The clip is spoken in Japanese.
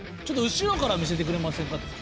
ちょっと後ろから見せてくれませんかとか。